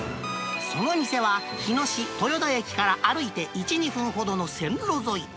その店は、日野市豊田駅から歩いて１、２分ほどの線路沿い。